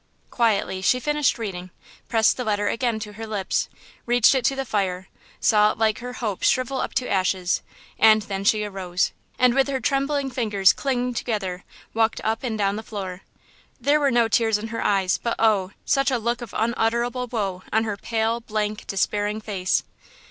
Quietly she finished reading, pressed the letter again to her lips, reached it to the fire, saw it like her hopes shrivel up to ashes, and then she arose, and with her trembling fingers clinging together, walked up and down the floor. There were no tears in her eyes, but, oh! such a look of unutterable woe on her pale, blank, despairing face!